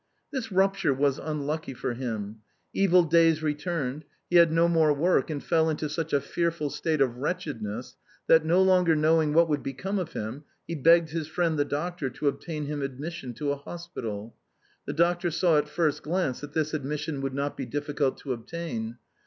This rupture was unlucky for him. Evil days returned; he had no more work, and fell into such a state of wretch edness that, no longer knowing what would become of him, he begged his friend the doctor to obtain him admission to a hospital. The doctor saw at the first glance that this ad mission would not be difficult to obtain.